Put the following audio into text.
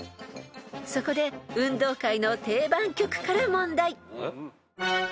［そこで運動会の定番曲から問題］